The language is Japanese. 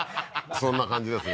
そんな感じですね